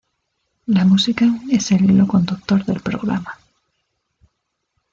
La música es el hilo conductor del programa.